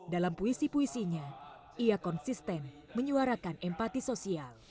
dalam puisi puisinya ia konsisten menyuarakan empati sosial